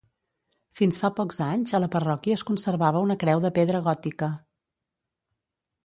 Fins fa pocs anys a la parròquia es conservava una creu de pedra gòtica.